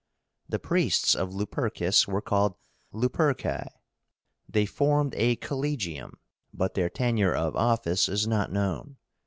The priests of Lupercus were called LUPERCI. They formed a collegium, but their tenure of office is not known.